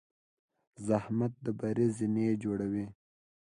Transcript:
زحمت د بری زینې جوړوي.